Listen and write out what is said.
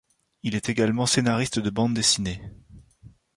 Il est également scénariste de bandes dessinées.